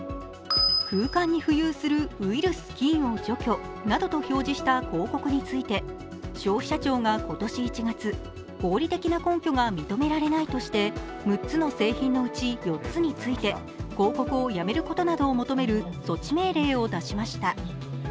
空間に浮遊するウイルス・菌を除去などと表示した広告について消費者庁が今年１月、合理的な根拠が認められないとして６つの製品のうち４つについて、広告をやめることなどを求める措置命令を出しました。